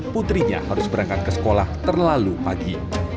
putrinya harus berangkat ke sekolah terlalu pagi